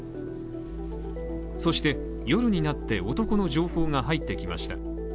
そして夜になって男の情報が入ってきました。